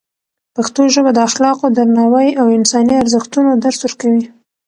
پښتو ژبه د اخلاقو، درناوي او انساني ارزښتونو درس ورکوي.